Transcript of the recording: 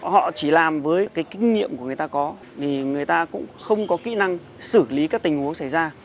họ chỉ làm với cái kinh nghiệm của người ta có thì người ta cũng không có kỹ năng xử lý các tình huống xảy ra